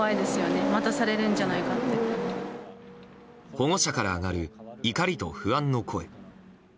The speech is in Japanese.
保護者から上がる怒りと不安の声。